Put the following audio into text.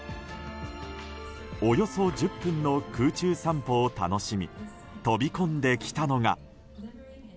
およそ１０分の空中散歩を楽しみ飛び込んできたのが。